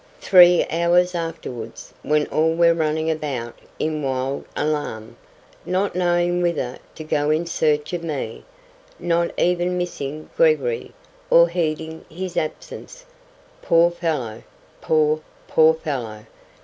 Three hours afterwards, when all were running about in wild alarm, not knowing whither to go in search of me—not even missing Gregory, or heeding his absence, poor fellow—poor, poor fellow!